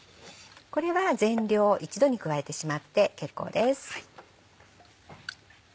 これは全量一度に加えてしまって結構です。